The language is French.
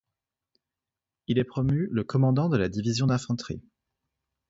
Il est promu, le commandant de la Division d'infanterie.